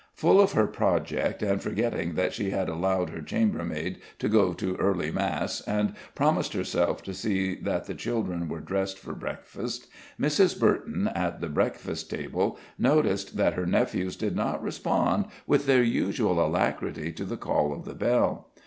Full of her project, and forgetting that she had allowed her chambermaid to go to early Mass and promised herself to see that the children were dressed for breakfast, Mrs. Burton, at the breakfast table, noticed that her nephews did not respond with their usual alacrity to the call of the bell.